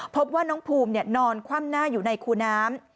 พบว่าน้องภูมินอนคว่ำหน้าอยู่ในคูน้ำ